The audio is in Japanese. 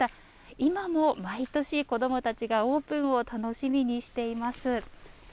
今も毎年、子どもたちがオープンを楽しみにしています。